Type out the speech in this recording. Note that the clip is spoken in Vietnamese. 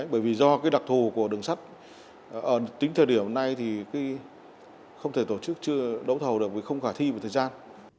bởi vì do đặc thù của đường sắt tính thời điểm này thì không thể tổ chức chưa đấu thầu được vì không khả thi về thời gian